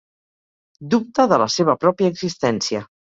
Dubta de la seva pròpia existència.